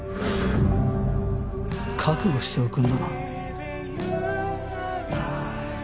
覚悟しておくんだな。